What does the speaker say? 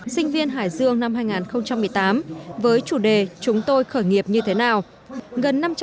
sinh viên hải dương năm hai nghìn một mươi tám với chủ đề chúng tôi khởi nghiệp như thế nào